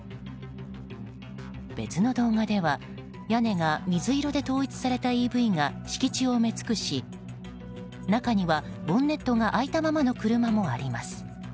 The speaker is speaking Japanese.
別の動画では屋根が水色で統一されたＥＶが敷地を埋め尽くし中には、ボンネットが開いたままの車もあります。